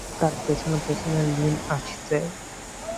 তাঁর পেছনে পেছনে লীম আসছে।